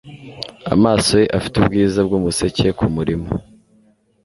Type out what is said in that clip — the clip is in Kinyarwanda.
Amaso ye afite ubwiza bwumuseke kumurima